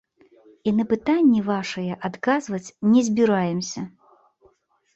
І на пытанні вашыя адказваць не збіраемся.